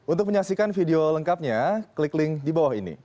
untuk menyaksikan video lengkapnya klik link di bawah ini